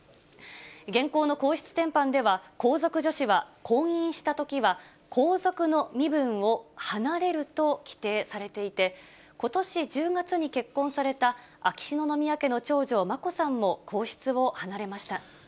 現行の皇室典範では、皇族女子は婚姻したときは皇族の身分を離れると規定されていて、ことし１０月に結婚された秋篠宮家の長女、眞子さんも皇室を離れました。